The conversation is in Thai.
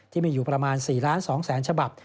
ที่มีอยู่ประมาณ๔๒๐๐๐๐๐ฉบับ